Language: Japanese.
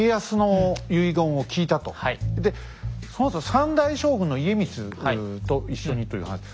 でそのあと３代将軍の家光と一緒にという話。